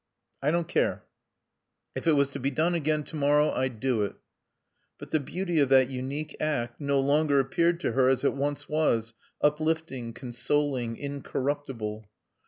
"I don't care. If it was to be done again to morrow I'd do it." But the beauty of that unique act no longer appeared to her as it once was, uplifting, consoling, incorruptible.